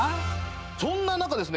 そんな中ですね